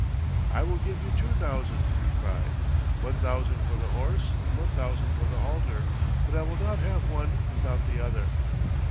"I will give you two thousand," he cried. "One thousand for the horse and one thousand for the halter, but I will not have one without the other."